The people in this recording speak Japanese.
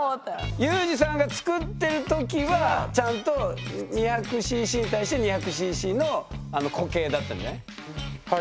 裕士さんが作ってる時はちゃんと２００ｃｃに対して２００ｃｃの固形だったんじゃない？